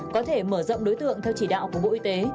có thể mở rộng đối tượng theo chỉ đạo của bộ y tế